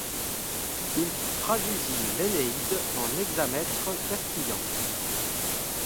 Il traduisit l'Énéide en hexamètres castillans.